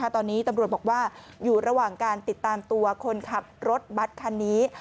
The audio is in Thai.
ตอนนี้ตำรวจบอกว่าอยู่ระหว่างการติดตามตัวคนขับรถบัตรคันนี้